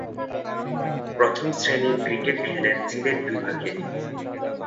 প্রথম শ্রেণীর ক্রিকেট খেলেন সিলেট বিভাগে।